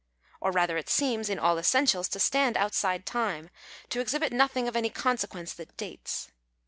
Or rather it seems, in all essentials, to stand outside time, to exhibit nothing of any consequence that " dates."